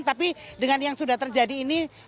tapi dengan yang sudah terjadi ini